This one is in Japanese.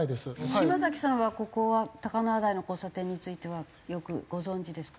島崎さんはここは高輪台の交差点についてはよくご存じですか？